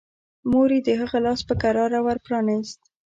مور يې د هغه لاس په کراره ور پرانيست.